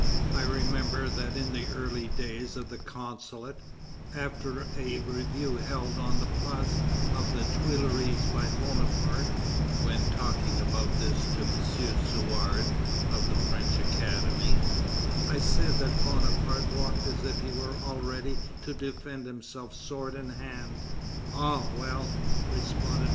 I remember that in the early days of the Consulate, after a review held on the Place of the Tuileries by Bonaparte, when talking about this to M. Suard, of the French Academy, I said that Bonaparte walked as if he were always ready to defend himself sword in hand. 'Ah, well!' responded M.